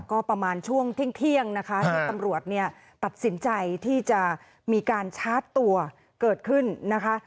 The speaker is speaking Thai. ก็ประมาณช่วงเที่ยงนะคะที่ตำรวจเนี่ยตัดสินใจที่จะมีการชาร์จตัวเกิดขึ้นนะคะ